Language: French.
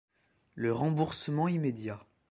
Le remboursement immédiat.